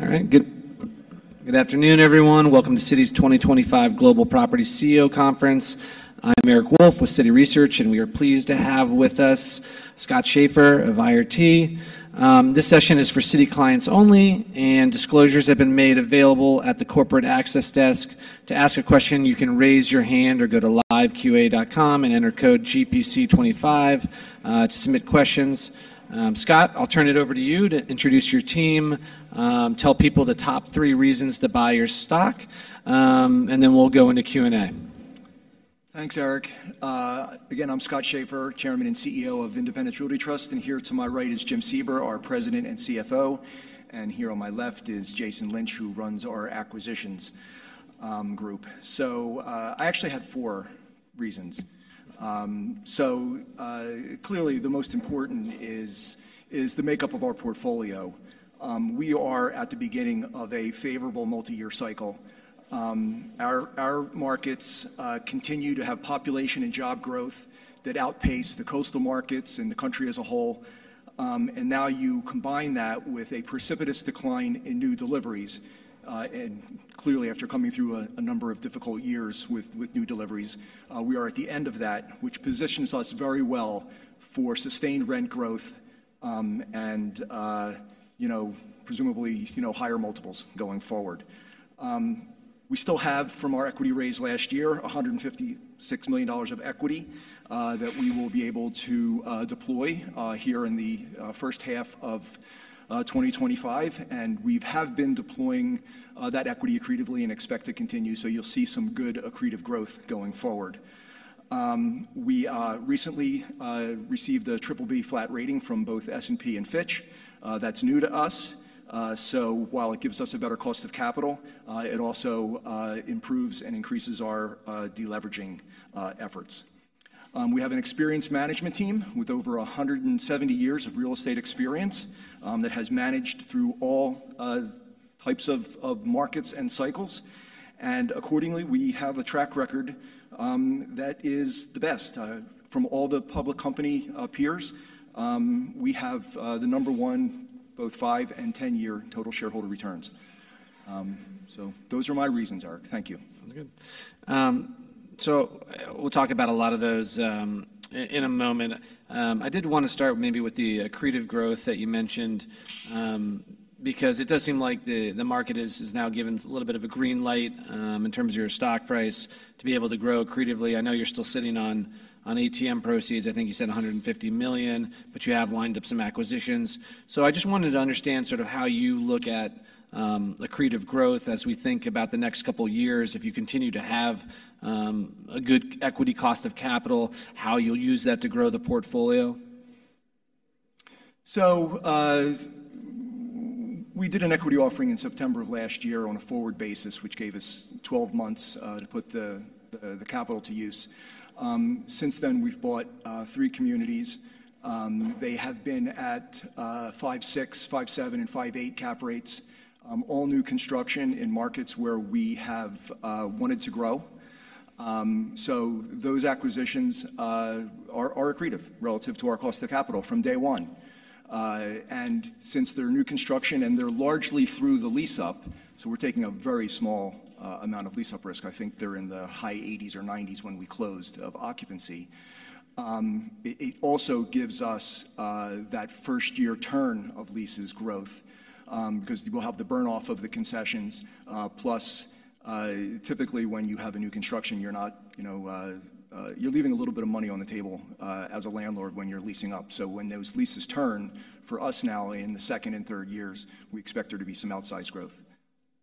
All right. Good afternoon, everyone. Welcome to Citi's 2025 Global Property CEO Conference. I'm Eric Wolfe with Citi Research, and we are pleased to have with us Scott Schaeffer of IRT. This session is for Citi clients only, and disclosures have been made available at the corporate access desk. To ask a question, you can raise your hand or go to liveqa.com and enter code GPC25 to submit questions. Scott, I'll turn it over to you to introduce your team, tell people the top three reasons to buy your stock, and then we'll go into Q&A. Thanks, Eric. Again, I'm Scott Schaeffer, Chairman and CEO of Independence Realty Trust, and here to my right is James Sebra, our President and CFO, and here on my left is Jason Lynch, who runs our acquisitions group. So I actually have four reasons. So clearly, the most important is the makeup of our portfolio. We are at the beginning of a favorable multi-year cycle. Our markets continue to have population and job growth that outpace the coastal markets and the country as a whole. And now you combine that with a precipitous decline in new deliveries. And clearly, after coming through a number of difficult years with new deliveries, we are at the end of that, which positions us very well for sustained rent growth and, presumably, higher multiples going forward. We still have, from our equity raise last year, $156 million of equity that we will be able to deploy here in the first half of 2025, and we have been deploying that equity accretively and expect to continue. So you'll see some good accretive growth going forward. We recently received a BBB flat rating from both S&P and Fitch. That's new to us, so while it gives us a better cost of capital, it also improves and increases our deleveraging efforts. We have an experienced management team with over 170 years of real estate experience that has managed through all types of markets and cycles, and accordingly, we have a track record that is the best. From all the public company peers, we have the number one both five- and 10-year total shareholder returns. So those are my reasons, Eric. Thank you. Sounds good. So we'll talk about a lot of those in a moment. I did want to start maybe with the accretive growth that you mentioned because it does seem like the market is now given a little bit of a green light in terms of your stock price to be able to grow accretively. I know you're still sitting on ATM proceeds. I think you said $150 million, but you have lined up some acquisitions. So I just wanted to understand sort of how you look at accretive growth as we think about the next couple of years. If you continue to have a good equity cost of capital, how you'll use that to grow the portfolio. We did an equity offering in September of last year on a forward basis, which gave us 12 months to put the capital to use. Since then, we've bought three communities. They have been at 5.6, 5.7, and 5.8 cap rates, all new construction in markets where we have wanted to grow. Those acquisitions are accretive relative to our cost of capital from day one. Since they're new construction and they're largely through the lease-up, so we're taking a very small amount of lease-up risk. I think they're in the high 80s% or 90s% when we closed, occupancy. It also gives us that first-year turn of leases growth because we'll have the burn-off of the concessions. Plus, typically when you have a new construction, you're leaving a little bit of money on the table as a landlord when you're leasing up. So when those leases turn, for us now in the second and third years, we expect there to be some outsized growth.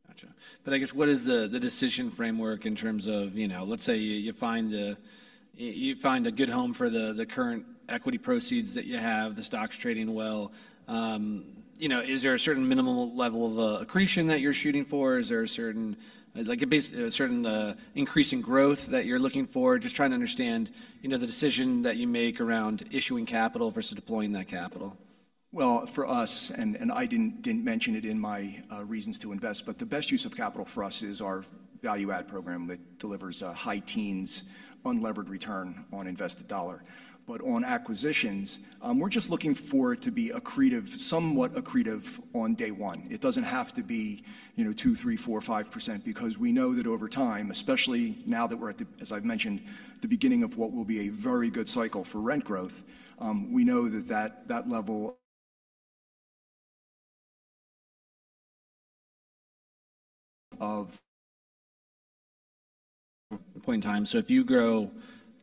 Gotcha. But I guess what is the decision framework in terms of, let's say you find a good home for the current equity proceeds that you have, the stock's trading well? Is there a certain minimal level of accretion that you're shooting for? Is there a certain increase in growth that you're looking for? Just trying to understand the decision that you make around issuing capital versus deploying that capital. For us, and I didn't mention it in my reasons to invest, but the best use of capital for us is our value-add program that delivers a high teens, unlevered return on invested dollar. But on acquisitions, we're just looking for it to be somewhat accretive on day one. It doesn't have to be 2%, 3%, 4%, 5% because we know that over time, especially now that we're at, as I've mentioned, the beginning of what will be a very good cycle for rent growth, we know that that level of. Point in time. So if you grow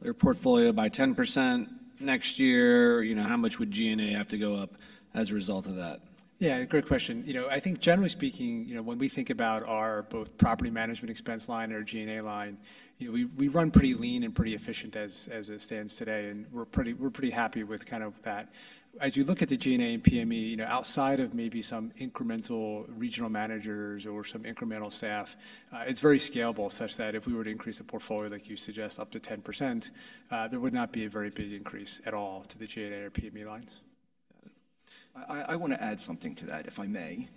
your portfolio by 10% next year, how much would G&A have to go up as a result of that? Yeah, great question. I think generally speaking, when we think about our both property management expense line and our G&A line, we run pretty lean and pretty efficient as it stands today, and we're pretty happy with kind of that. As you look at the G&A and PME, outside of maybe some incremental regional managers or some incremental staff, it's very scalable such that if we were to increase the portfolio, like you suggest, up to 10%, there would not be a very big increase at all to the G&A or PME lines. I want to add something to that, if I may.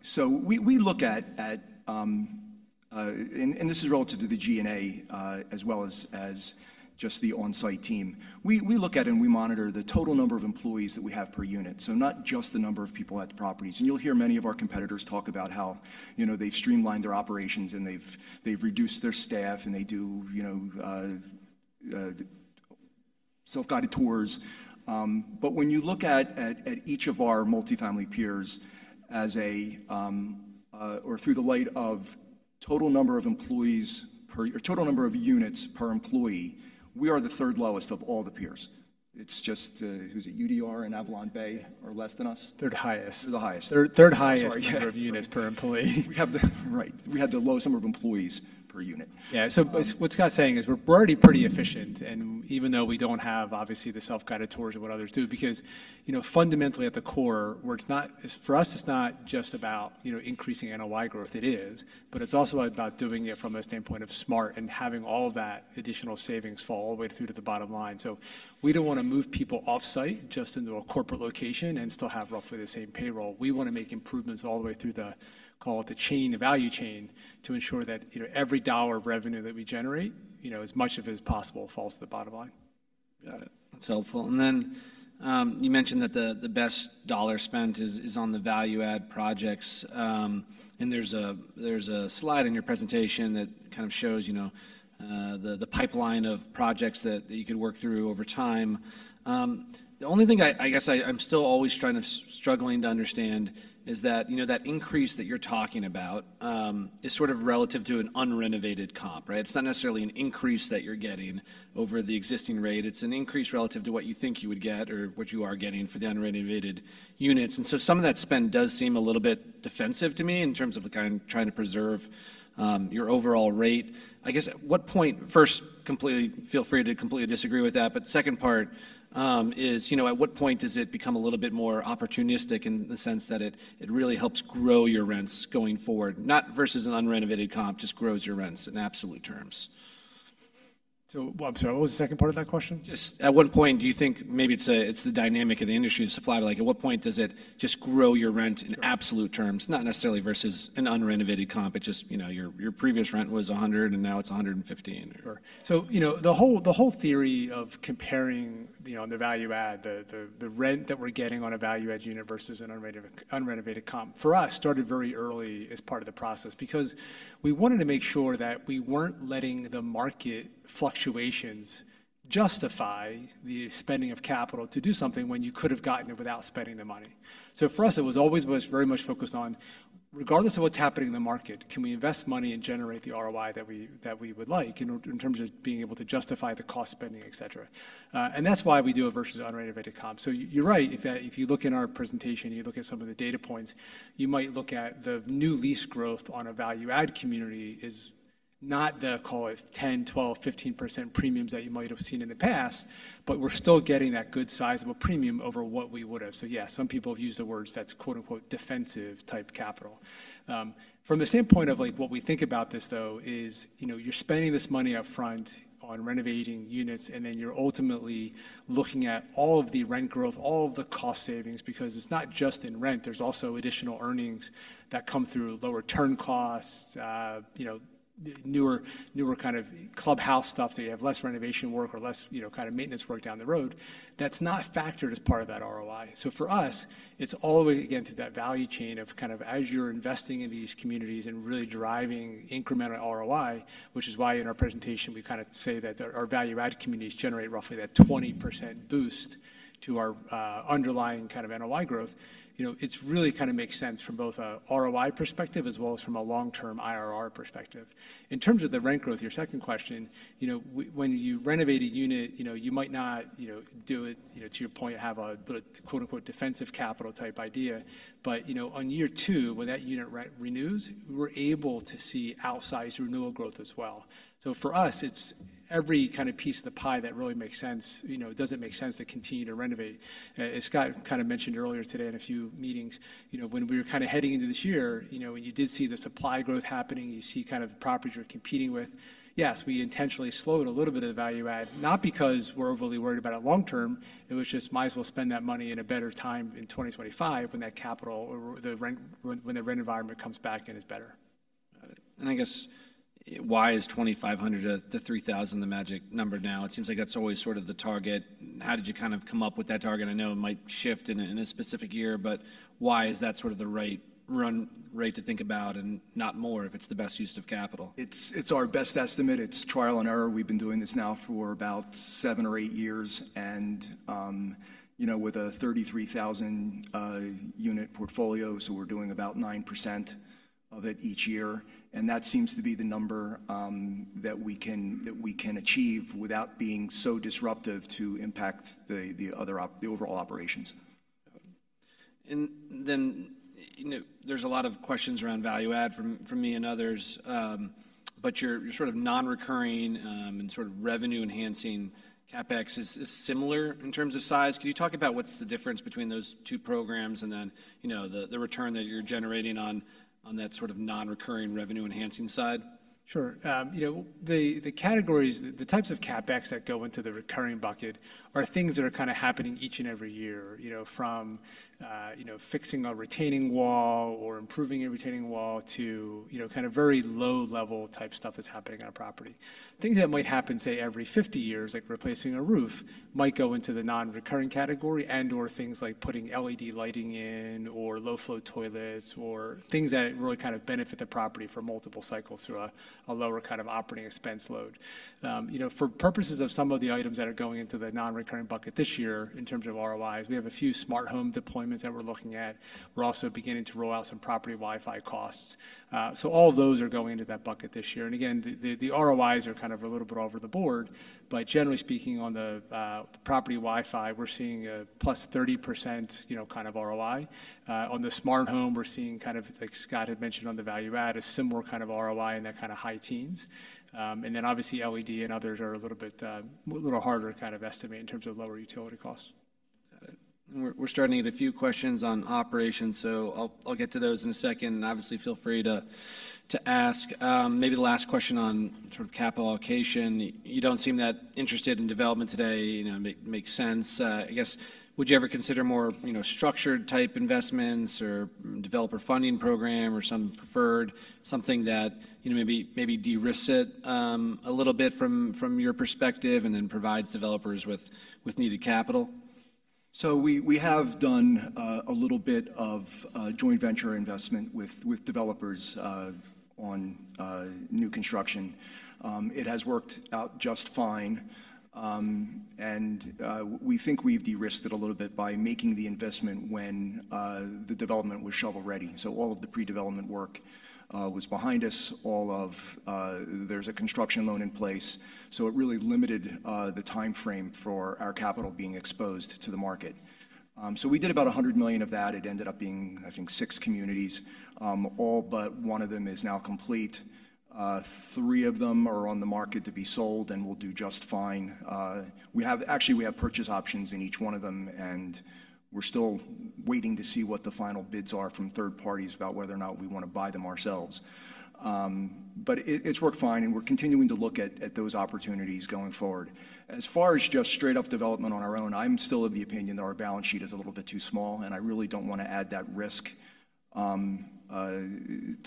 So we look at, and this is relative to the G&A as well as just the on-site team, we look at and we monitor the total number of employees that we have per unit, so not just the number of people at the properties, and you'll hear many of our competitors talk about how they've streamlined their operations and they've reduced their staff and they do self-guided tours, but when you look at each of our multifamily peers or through the light of total number of employees or total number of units per employee, we are the third lowest of all the peers. It's just, who's it, UDR and AvalonBay are less than us. They're the highest. They're the highest. They're the third highest. Sorry, number of units per employee. Right. We have the lowest number of employees per unit. Yeah. So what Scott's saying is we're already pretty efficient. And even though we don't have, obviously, the self-guided tours or what others do, because fundamentally at the core, for us, it's not just about increasing NOI growth. It is. But it's also about doing it from a standpoint of smart and having all of that additional savings fall all the way through to the bottom line. So we don't want to move people off-site just into a corporate location and still have roughly the same payroll. We want to make improvements all the way through the chain of value chain to ensure that every dollar of revenue that we generate, as much of it as possible, falls to the bottom line. Got it. That's helpful. And then you mentioned that the best dollar spent is on the value-add projects. And there's a slide in your presentation that kind of shows the pipeline of projects that you could work through over time. The only thing I guess I'm still always struggling to understand is that increase that you're talking about is sort of relative to an unrenovated comp, right? It's not necessarily an increase that you're getting over the existing rate. It's an increase relative to what you think you would get or what you are getting for the unrenovated units. And so some of that spend does seem a little bit defensive to me in terms of trying to preserve your overall rate. I guess at what point, first, completely feel free to completely disagree with that. But second part is, at what point does it become a little bit more opportunistic in the sense that it really helps grow your rents going forward, not versus an unrenovated comp just grows your rents in absolute terms? So what was the second part of that question? Just at what point do you think maybe it's the dynamic of the industry due to supply? At what point does it just grow your rent in absolute terms, not necessarily versus an unrenovated comp, but just your previous rent was 100 and now it's 115? So the whole theory of comparing the value-add, the rent that we're getting on a value-add unit versus an unrenovated comp, for us, started very early as part of the process because we wanted to make sure that we weren't letting the market fluctuations justify the spending of capital to do something when you could have gotten it without spending the money. So for us, it was always very much focused on, regardless of what's happening in the market, can we invest money and generate the ROI that we would like in terms of being able to justify the cost spending, et cetera. And that's why we do it versus unrenovated comp. So you're right. If you look in our presentation, you look at some of the data points, you might look at the new lease growth on a value-add community is not the, call it, 10%, 12%, 15% premiums that you might have seen in the past, but we're still getting that good size of a premium over what we would have. So yeah, some people have used the words that's "defensive type capital." From the standpoint of what we think about this, though, is you're spending this money upfront on renovating units, and then you're ultimately looking at all of the rent growth, all of the cost savings, because it's not just in rent. There's also additional earnings that come through lower turn costs, newer kind of clubhouse stuff that you have less renovation work or less kind of maintenance work down the road. That's not factored as part of that ROI. So for us, it's all the way again through that value chain of kind of as you're investing in these communities and really driving incremental ROI, which is why in our presentation we kind of say that our value-add communities generate roughly that 20% boost to our underlying kind of NOI growth. It really kind of makes sense from both an ROI perspective as well as from a long-term IRR perspective. In terms of the rent growth, your second question, when you renovate a unit, you might not do it, to your point, have a "defensive capital" type idea. But on year two, when that unit renews, we're able to see outsized renewal growth as well. So for us, it's every kind of piece of the pie that really makes sense. Does it make sense to continue to renovate? As Scott kind of mentioned earlier today in a few meetings, when we were kind of heading into this year, when you did see the supply growth happening, you see kind of properties you're competing with, yes, we intentionally slowed a little bit of the value-add, not because we're overly worried about it long term. It was just, might as well spend that money in a better time in 2025 when the rent environment comes back in is better. Got it. And I guess why is 2,500-3,000 the magic number now? It seems like that's always sort of the target. How did you kind of come up with that target? I know it might shift in a specific year, but why is that sort of the right rate to think about and not more if it's the best use of capital? It's our best estimate. It's trial and error. We've been doing this now for about seven or eight years, and with a 33,000-unit portfolio, so we're doing about 9% of it each year, and that seems to be the number that we can achieve without being so disruptive to impact the overall operations. And then there's a lot of questions around value-add from me and others. But your sort of non-recurring and sort of revenue-enhancing CapEx is similar in terms of size. Could you talk about what's the difference between those two programs and then the return that you're generating on that sort of non-recurring revenue-enhancing side? Sure. The types of CapEx that go into the recurring bucket are things that are kind of happening each and every year from fixing a retaining wall or improving a retaining wall to kind of very low-level type stuff that's happening on a property. Things that might happen, say, every 50 years, like replacing a roof, might go into the non-recurring category and/or things like putting LED lighting in or low-flow toilets or things that really kind of benefit the property for multiple cycles through a lower kind of operating expense load. For purposes of some of the items that are going into the non-recurring bucket this year in terms of ROIs, we have a few smart home deployments that we're looking at. We're also beginning to roll out some property Wi-Fi costs. So all of those are going into that bucket this year. Again, the ROIs are kind of a little bit over the board. But generally speaking, on the property Wi-Fi, we're seeing a plus 30% kind of ROI. On the smart home, we're seeing kind of, like Scott had mentioned on the value-add, a similar kind of ROI in that kind of high teens. And then obviously LED and others are a little bit harder to kind of estimate in terms of lower utility costs. Got it. And we're starting to get a few questions on operations. So I'll get to those in a second. And obviously, feel free to ask. Maybe the last question on sort of capital allocation. You don't seem that interested in development today. Makes sense. I guess, would you ever consider more structured type investments or developer funding program or some preferred, something that maybe de-risked it a little bit from your perspective and then provides developers with needed capital? We have done a little bit of joint venture investment with developers on new construction. It has worked out just fine. We think we've de-risked it a little bit by making the investment when the development was shovel ready. All of the pre-development work was behind us. There's a construction loan in place. It really limited the timeframe for our capital being exposed to the market. We did about $100 million of that. It ended up being, I think, six communities. All but one of them is now complete. Three of them are on the market to be sold and will do just fine. Actually, we have purchase options in each one of them. We're still waiting to see what the final bids are from third parties about whether or not we want to buy them ourselves. It's worked fine. And we're continuing to look at those opportunities going forward. As far as just straight-up development on our own, I'm still of the opinion that our balance sheet is a little bit too small. And I really don't want to add that risk to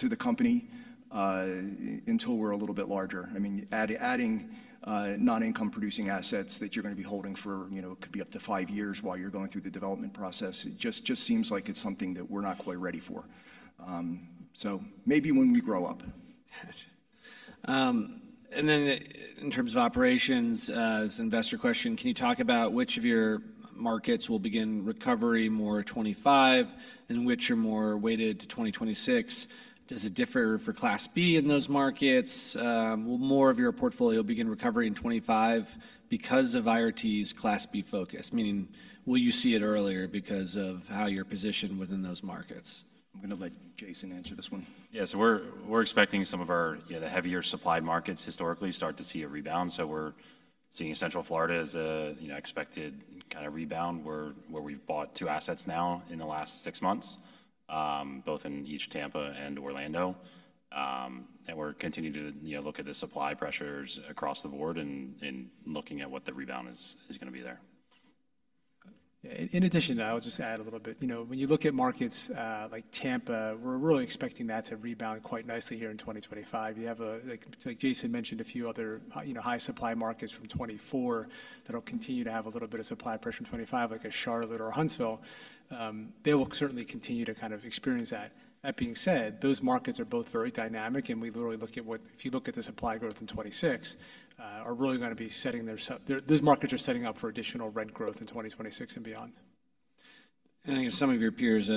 the company until we're a little bit larger. I mean, adding non-income producing assets that you're going to be holding for it could be up to five years while you're going through the development process just seems like it's something that we're not quite ready for. So maybe when we grow up. Gotcha. And then in terms of operations, as an investor question, can you talk about which of your markets will begin recovery more in 2025 and which are more weighted to 2026? Does it differ for Class B in those markets? Will more of your portfolio begin recovery in 2025 because of IRT's Class B focus? Meaning, will you see it earlier because of how you're positioned within those markets? I'm going to let Jason answer this one. Yeah. So we're expecting some of the heavier supply markets historically start to see a rebound. So we're seeing Central Florida as an expected kind of rebound where we've bought two assets now in the last six months, both in East Tampa and Orlando. And we're continuing to look at the supply pressures across the board and looking at what the rebound is going to be there. In addition, I'll just add a little bit. When you look at markets like Tampa, we're really expecting that to rebound quite nicely here in 2025. Like Jason mentioned, a few other high supply markets from 2024 that'll continue to have a little bit of supply pressure in 2025, like Charlotte or Huntsville, they will certainly continue to kind of experience that. That being said, those markets are both very dynamic, and we literally look at what if you look at the supply growth in 2026 are really going to be setting their those markets are setting up for additional rent growth in 2026 and beyond. I guess some of your peers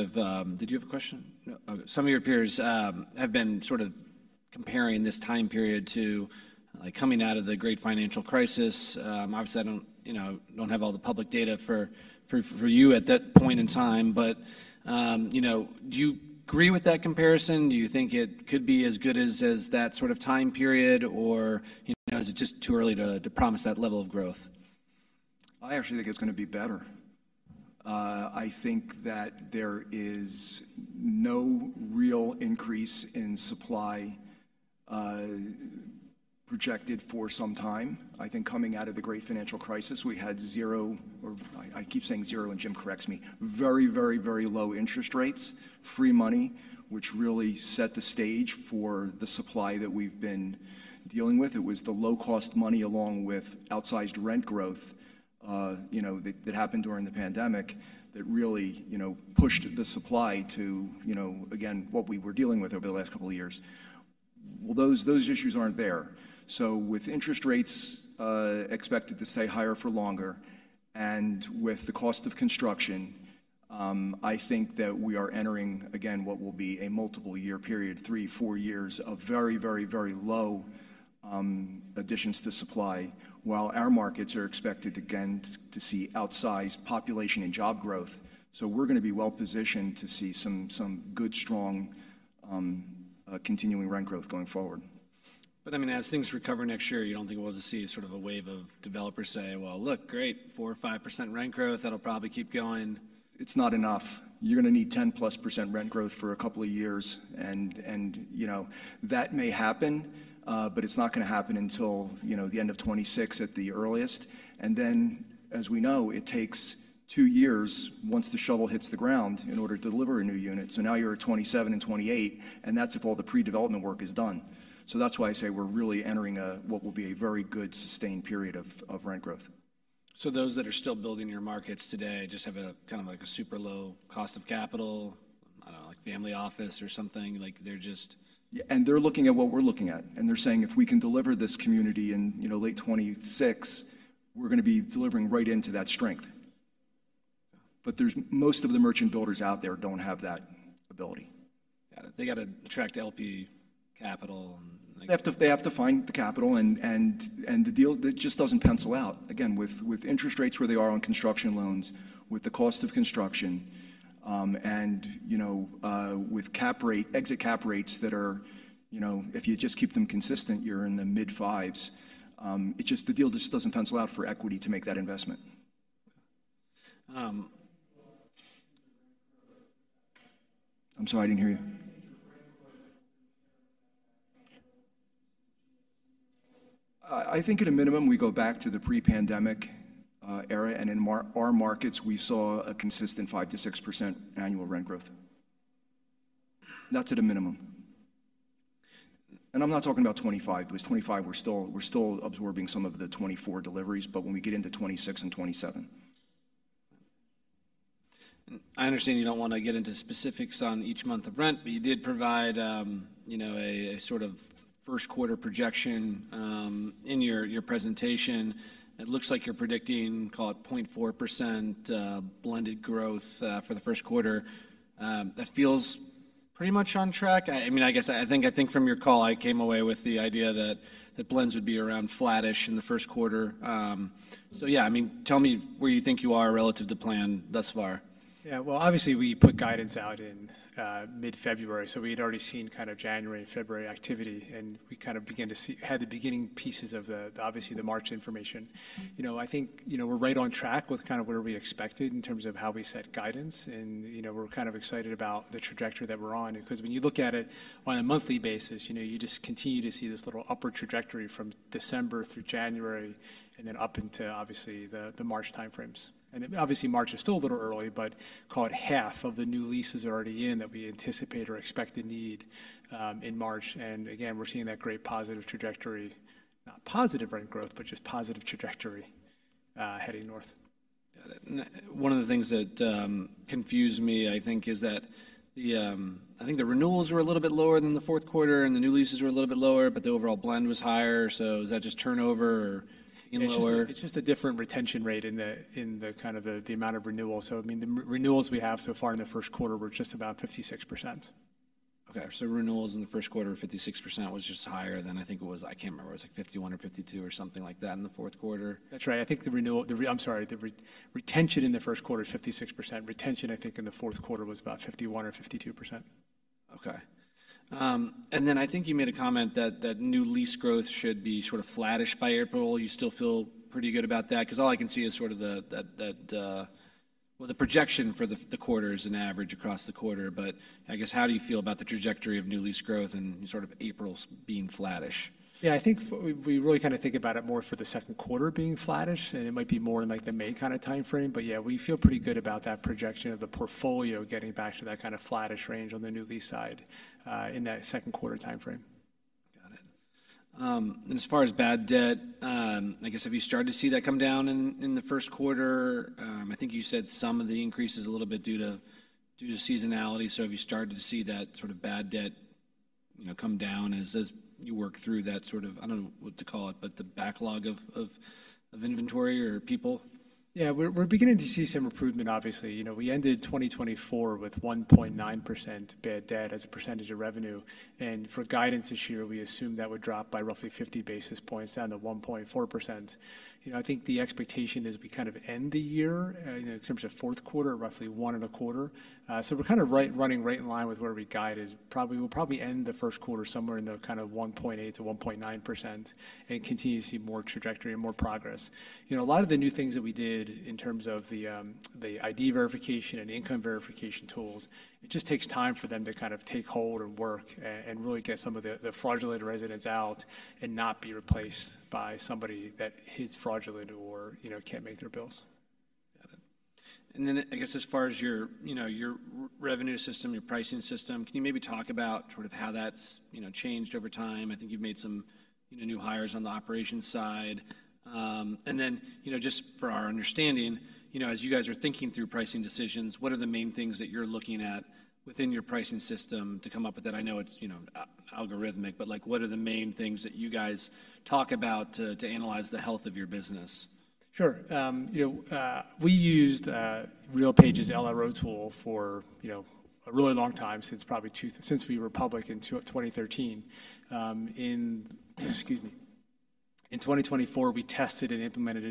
have been sort of comparing this time period to coming out of the Great Financial Crisis. Obviously, I don't have all the public data for you at that point in time. But do you agree with that comparison? Do you think it could be as good as that sort of time period? Or is it just too early to promise that level of growth? I actually think it's going to be better. I think that there is no real increase in supply projected for some time. I think coming out of the Great Financial Crisis, we had zero or I keep saying zero and Jim corrects me, very, very, very low interest rates, free money, which really set the stage for the supply that we've been dealing with. It was the low-cost money along with outsized rent growth that happened during the pandemic that really pushed the supply to, again, what we were dealing with over the last couple of years, well, those issues aren't there. So, with interest rates expected to stay higher for longer and with the cost of construction, I think that we are entering, again, what will be a multiple year period, three, four years of very, very, very low additions to supply while our markets are expected, again, to see outsized population and job growth. So, we're going to be well positioned to see some good, strong continuing rent growth going forward. But I mean, as things recover next year, you don't think we'll just see sort of a wave of developers say, "Well, look, great, 4% or 5% rent growth. That'll probably keep going. It's not enough. You're going to need 10% plus rent growth for a couple of years. And that may happen, but it's not going to happen until the end of 2026 at the earliest. And then, as we know, it takes two years once the shovel hits the ground in order to deliver a new unit. So now you're at 2027 and 2028, and that's if all the pre-development work is done. So that's why I say we're really entering what will be a very good sustained period of rent growth. So those that are still building your markets today just have a kind of like a super low cost of capital, I don't know, like family office or something? They're just. Yeah, and they're looking at what we're looking at. And they're saying, "If we can deliver this community in late 2026, we're going to be delivering right into that strength," but most of the merchant builders out there don't have that ability. Got it. They got to attract LP capital and. They have to find the capital, and the deal just doesn't pencil out. Again, with interest rates where they are on construction loans, with the cost of construction, and with exit cap rates that are, if you just keep them consistent, you're in the mid-fives, the deal just doesn't pencil out for equity to make that investment. I'm sorry, I didn't hear you. I think at a minimum, we go back to the pre-pandemic era, and in our markets, we saw a consistent 5%-6% annual rent growth. That's at a minimum, and I'm not talking about 2025. It was 2025, we're still absorbing some of the 2024 deliveries, but when we get into 2026 and 2027. I understand you don't want to get into specifics on each month of rent, but you did provide a sort of first quarter projection in your presentation. It looks like you're predicting, call it 0.4% blended growth for the first quarter. That feels pretty much on track. I mean, I guess I think from your call, I came away with the idea that blends would be around flattish in the first quarter. So yeah, I mean, tell me where you think you are relative to plan thus far. Yeah. Well, obviously, we put guidance out in mid-February, so we had already seen kind of January and February activity, and we kind of had the beginning pieces of obviously the March information. I think we're right on track with kind of where we expected in terms of how we set guidance, and we're kind of excited about the trajectory that we're on. Because when you look at it on a monthly basis, you just continue to see this little upward trajectory from December through January and then up into, obviously, the March timeframes, and obviously, March is still a little early, but call it half of the new leases are already in that we anticipate or expect to need in March. And again, we're seeing that great positive trajectory, not positive rent growth, but just positive trajectory heading north. Got it. One of the things that confused me, I think, is that I think the renewals were a little bit lower than the fourth quarter and the new leases were a little bit lower, but the overall blend was higher. So is that just turnover or income lower? It's just a different retention rate in the kind of the amount of renewals. So I mean, the renewals we have so far in the first quarter were just about 56%. Okay. So renewals in the first quarter of 56% was just higher than I think it was. I can't remember. It was like 51% or 52% or something like that in the fourth quarter. That's right. I think the renewal, I'm sorry, the retention in the first quarter is 56%. Retention, I think in the fourth quarter was about 51% or 52%. Okay. And then I think you made a comment that new lease growth should be sort of flattish by April. You still feel pretty good about that? Because all I can see is sort of the projection for the quarters and average across the quarter. But I guess, how do you feel about the trajectory of new lease growth and sort of April's being flattish? Yeah. I think we really kind of think about it more for the second quarter being flattish, and it might be more in like the May kind of timeframe, but yeah, we feel pretty good about that projection of the portfolio getting back to that kind of flattish range on the new lease side in that second quarter timeframe. Got it. And as far as bad debt, I guess, have you started to see that come down in the first quarter? I think you said some of the increase is a little bit due to seasonality. So have you started to see that sort of bad debt come down as you work through that sort of, I don't know what to call it, but the backlog of inventory or people? Yeah. We're beginning to see some improvement, obviously. We ended 2024 with 1.9% bad debt as a percentage of revenue, and for guidance this year, we assumed that would drop by roughly 50 basis points down to 1.4%. I think the expectation is we kind of end the year in terms of fourth quarter, roughly one and a quarter, so we're kind of running right in line with where we guided. We'll probably end the first quarter somewhere in the kind of 1.8%-1.9% and continue to see more trajectory and more progress. A lot of the new things that we did in terms of the ID verification and income verification tools, it just takes time for them to kind of take hold and work and really get some of the fraudulent residents out and not be replaced by somebody that is fraudulent or can't make their bills. Got it. And then I guess as far as your revenue system, your pricing system, can you maybe talk about sort of how that's changed over time? I think you've made some new hires on the operations side. And then just for our understanding, as you guys are thinking through pricing decisions, what are the main things that you're looking at within your pricing system to come up with that? I know it's algorithmic, but what are the main things that you guys talk about to analyze the health of your business? Sure. We used RealPage's LRO tool for a really long time since probably we were public in 2013. Excuse me. In 2024, we tested and implemented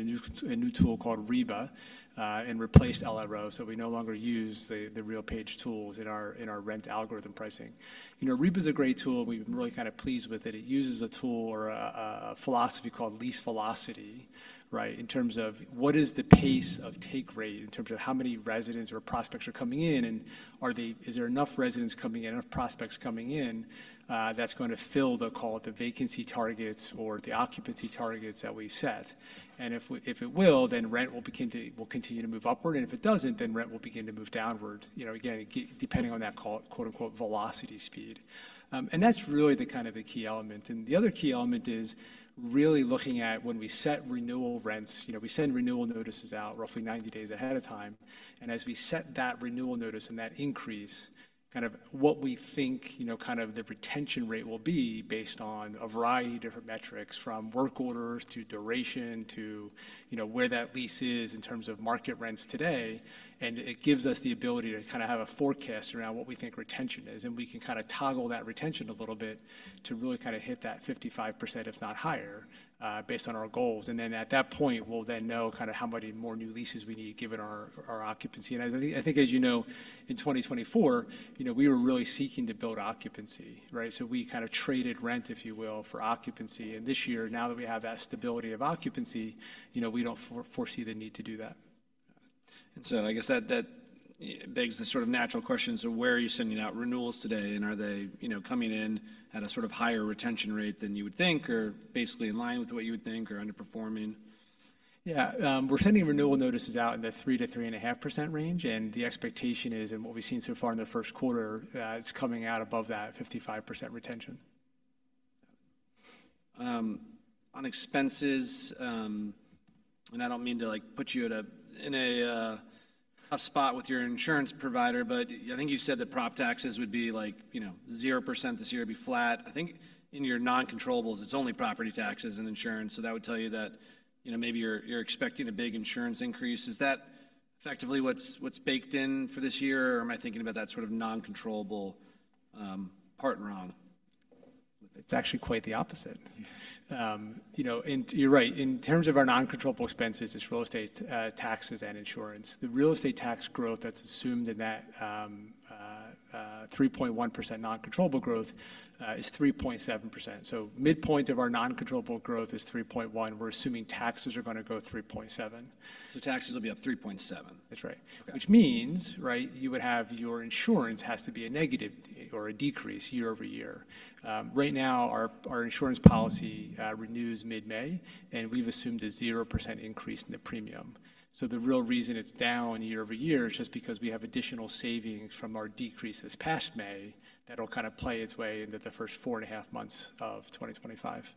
a new tool called REBA and replaced LRO, so we no longer use the RealPage tools in our rent algorithm pricing. REBA is a great tool. We've been really kind of pleased with it. It uses a tool or a philosophy called lease velocity, right, in terms of what is the pace of take rate in terms of how many residents or prospects are coming in? And is there enough residents coming in, enough prospects coming in that's going to fill the, call it the vacancy targets or the occupancy targets that we set, and if it will, then rent will continue to move upward, and if it doesn't, then rent will begin to move downward, again, depending on that quote-unquote velocity speed. That's really the kind of the key element. The other key element is really looking at when we set renewal rents, we send renewal notices out roughly 90 days ahead of time. As we set that renewal notice and that increase, kind of what we think kind of the retention rate will be based on a variety of different metrics from work orders to duration to where that lease is in terms of market rents today. It gives us the ability to kind of have a forecast around what we think retention is. We can kind of toggle that retention a little bit to really kind of hit that 55%, if not higher, based on our goals. Then at that point, we'll then know kind of how many more new leases we need to give in our occupancy. I think, as you know, in 2024, we were really seeking to build occupancy, right? We kind of traded rent, if you will, for occupancy. This year, now that we have that stability of occupancy, we don't foresee the need to do that. And so I guess that begs the sort of natural questions of where are you sending out renewals today? And are they coming in at a sort of higher retention rate than you would think or basically in line with what you would think or underperforming? Yeah. We're sending renewal notices out in the 3%-3.5% range, and the expectation is, and what we've seen so far in the first quarter, it's coming out above that 55% retention. On expenses, and I don't mean to put you in a tough spot with your insurance provider, but I think you said that prop taxes would be like 0% this year, be flat. I think in your non-controllables, it's only property taxes and insurance. So that would tell you that maybe you're expecting a big insurance increase. Is that effectively what's baked in for this year? Or am I thinking about that sort of non-controllable part wrong? It's actually quite the opposite. And you're right. In terms of our non-controllable expenses, it's real estate taxes and insurance. The real estate tax growth that's assumed in that 3.1% non-controllable growth is 3.7%. So midpoint of our non-controllable growth is 3.1%. We're assuming taxes are going to go 3.7%. Taxes will be up 3.7%. That's right. Which means, right, you would have your insurance has to be a negative or a decrease year over year. Right now, our insurance policy renews mid-May, and we've assumed a 0% increase in the premium. So the real reason it's down year over year is just because we have additional savings from our decrease this past May that'll kind of play its way into the first four and a half months of 2025.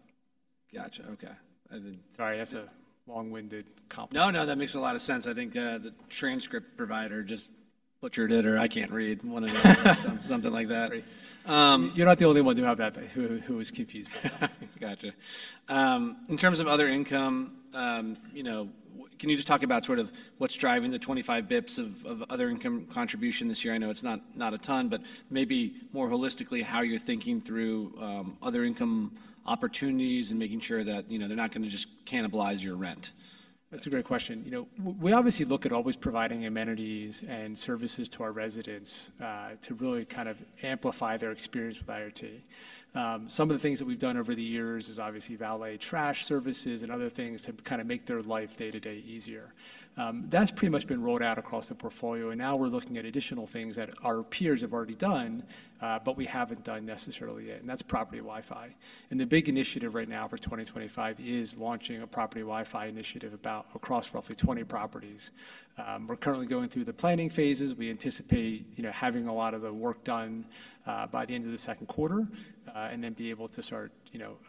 Gotcha. Okay. Sorry, that's a long-winded compliment. No, no, that makes a lot of sense. I think the transcript provider just butchered it or I can't read one of them, something like that. You're not the only one who was confused by that. Gotcha. In terms of other income, can you just talk about sort of what's driving the 25 basis points of other income contribution this year? I know it's not a ton, but maybe more holistically, how you're thinking through other income opportunities and making sure that they're not going to just cannibalize your rent. That's a great question. We obviously look at always providing amenities and services to our residents to really kind of amplify their experience with IRT. Some of the things that we've done over the years is obviously valet trash services and other things to kind of make their life day-to-day easier. That's pretty much been rolled out across the portfolio, and now we're looking at additional things that our peers have already done, but we haven't done necessarily yet, and that's property Wi-Fi, and the big initiative right now for 2025 is launching a property Wi-Fi initiative across roughly 20 properties. We're currently going through the planning phases. We anticipate having a lot of the work done by the end of the second quarter and then be able to start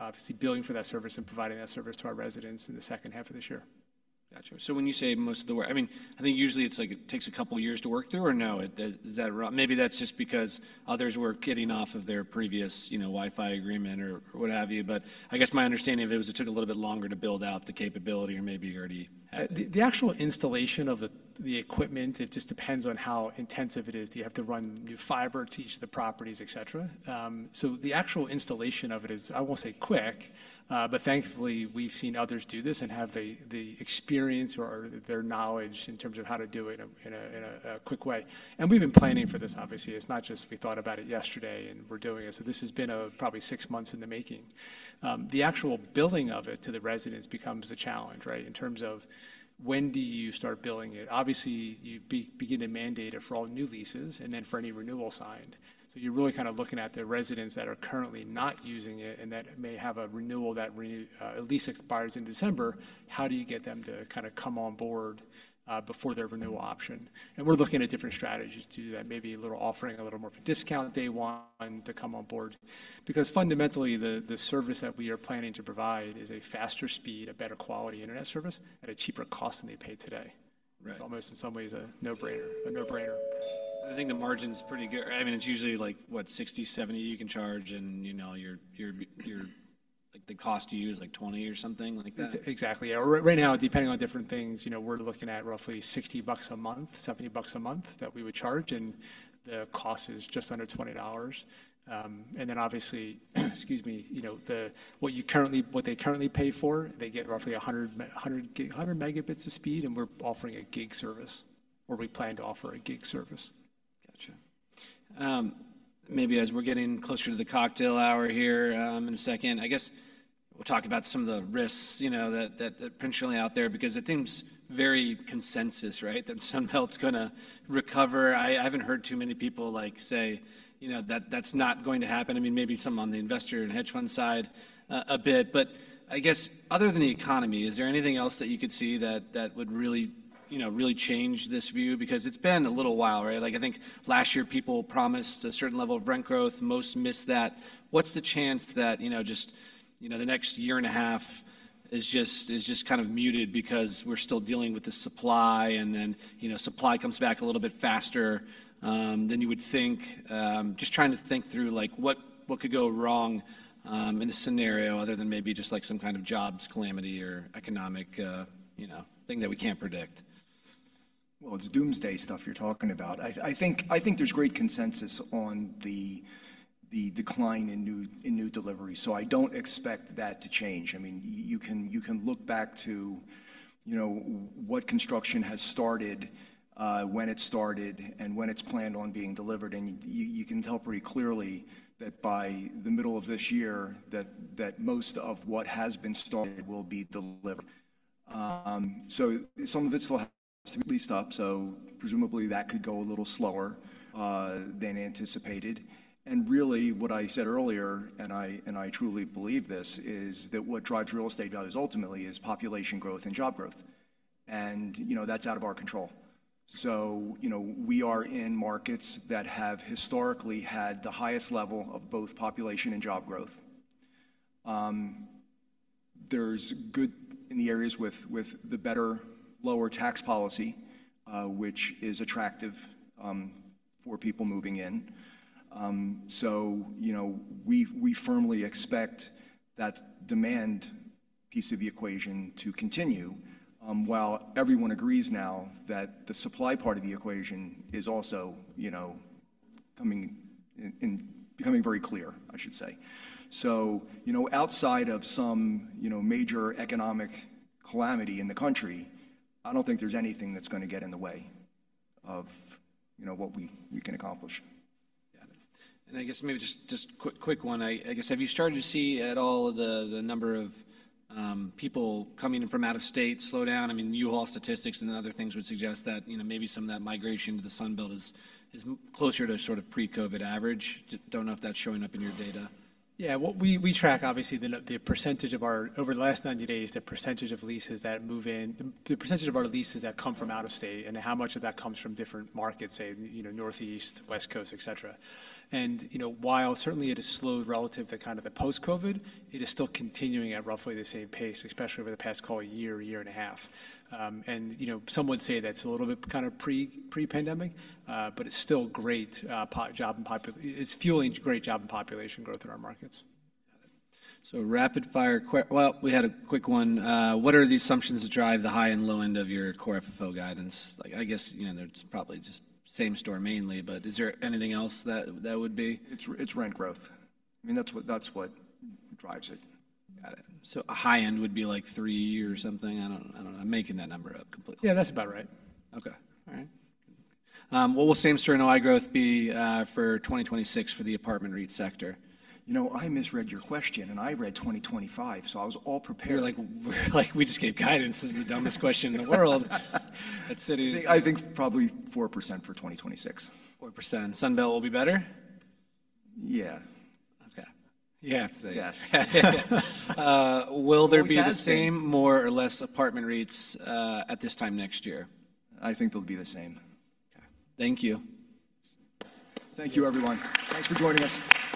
obviously billing for that service and providing that service to our residents in the second half of this year. Gotcha. So when you say most of the work, I mean, I think usually it's like it takes a couple of years to work through or no? Is that wrong? Maybe that's just because others were getting off of their previous Wi-Fi agreement or what have you. But I guess my understanding of it was it took a little bit longer to build out the capability or maybe you already had. The actual installation of the equipment, it just depends on how intensive it is. Do you have to run new fiber to each of the properties, etc.? So the actual installation of it is, I won't say quick, but thankfully we've seen others do this and have the experience or their knowledge in terms of how to do it in a quick way. And we've been planning for this, obviously. It's not just we thought about it yesterday and we're doing it. So this has been probably six months in the making. The actual billing of it to the residents becomes a challenge, right, in terms of when do you start billing it? Obviously, you begin to mandate it for all new leases and then for any renewal signed. So you're really kind of looking at the residents that are currently not using it and that may have a renewal that at least expires in December. How do you get them to kind of come on board before their renewal option? And we're looking at different strategies to do that, maybe a little offering, a little more of a discount if they want to come on board. Because fundamentally, the service that we are planning to provide is a faster speed, a better quality internet service at a cheaper cost than they pay today. It's almost in some ways a no-brainer, a no-brainer. I think the margin is pretty good. I mean, it's usually like, what, 60-70 you can charge and the cost you use like 20 or something like that. Exactly. Right now, depending on different things, we're looking at roughly $60 a month, $70 a month that we would charge. And the cost is just under $20. And then obviously, excuse me, what they currently pay for, they get roughly 100 megabits of speed. And we're offering a gig service or we plan to offer a gig service. Gotcha. Maybe as we're getting closer to the cocktail hour here in a second, I guess we'll talk about some of the risks that are potentially out there. Because it seems very consensus, right, that somehow it's going to recover. I haven't heard too many people say that's not going to happen. I mean, maybe some on the investor and hedge fund side a bit. But I guess other than the economy, is there anything else that you could see that would really change this view? Because it's been a little while, right? I think last year people promised a certain level of rent growth. Most missed that. What's the chance that just the next year and a half is just kind of muted because we're still dealing with the supply and then supply comes back a little bit faster than you would think? Just trying to think through what could go wrong in the scenario other than maybe just like some kind of jobs calamity or economic thing that we can't predict. It's doomsday stuff you're talking about. I think there's great consensus on the decline in new delivery. I don't expect that to change. I mean, you can look back to what construction has started, when it started, and when it's planned on being delivered. You can tell pretty clearly that by the middle of this year, that most of what has been started will be delivered. Some of it still has to be leased up. Presumably that could go a little slower than anticipated. Really what I said earlier, and I truly believe this, is that what drives real estate values ultimately is population growth and job growth. That's out of our control. We are in markets that have historically had the highest level of both population and job growth. There's good in the areas with the better lower tax policy, which is attractive for people moving in. So we firmly expect that demand piece of the equation to continue. While everyone agrees now that the supply part of the equation is also becoming very clear, I should say. So outside of some major economic calamity in the country, I don't think there's anything that's going to get in the way of what we can accomplish. Got it, and I guess maybe just quick one. I guess have you started to see at all the number of people coming in from out of state slow down? I mean, U-Haul statistics and other things would suggest that maybe some of that migration to the Sunbelt is closer to sort of pre-COVID average. Don't know if that's showing up in your data. Yeah. We track obviously the percentage of our move-ins over the last 90 days, the percentage of leases that move in, the percentage of our leases that come from out of state and how much of that comes from different markets, say Northeast, West Coast, etc. And while certainly it has slowed relative to kind of the post-COVID, it is still continuing at roughly the same pace, especially over the past, call it, year and a half. And some would say that's a little bit kind of pre-pandemic, but it's still great job and population. It's fueling great job and population growth in our markets. Got it. So rapid fire quick. Well, we had a quick one. What are the assumptions that drive the high and low end of your core FFO guidance? I guess there's probably just same store mainly, but is there anything else that would be? It's rent growth. I mean, that's what drives it. Got it. So a high end would be like three or something. I don't know. I'm making that number up completely. Yeah, that's about right. Okay. All right. What will same store NOI growth be for 2026 for the apartment REIT sector? You know, I misread your question and I read 2025. So I was all prepared. You're like, we just gave guidance. This is the dumbest question in the world. I think probably 4% for 2026. 4%. Sunbelt will be better? Yeah. Okay. Yeah, I'd say. Yes. Will there be the same more or less apartment rates at this time next year? I think they'll be the same. Okay. Thank you. Thank you, everyone. Thanks for joining us.